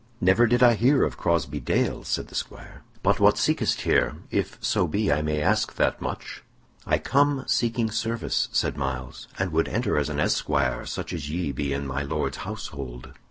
"Never did I hear of Crosbey Dale," said the squire. "But what seekest here, if so be I may ask that much?" "I come seeking service," said Myles, "and would enter as an esquire such as ye be in my Lord's household."